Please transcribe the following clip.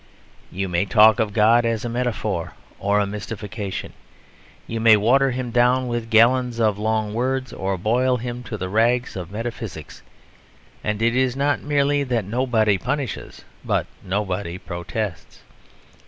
You may talk of God as a metaphor or a mystification; you may water Him down with gallons of long words, or boil Him to the rags of metaphysics; and it is not merely that nobody punishes, but nobody protests.